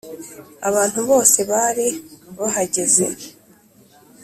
abantu bose bari bahageze